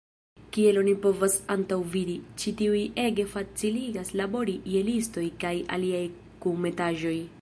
Kiel oni povas antaŭvidi, ĉi tiuj ege faciligas labori je listoj kaj aliaj kunmetaĵoj.